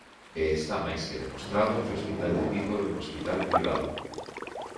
E está máis que demostrado que o hospital de Vigo é un hospital privado.